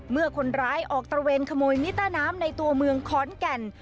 เมื่อคนร้ายออกตระเวนขโมยมิเตอร์น้ำในตัวเมืองขอนแก่น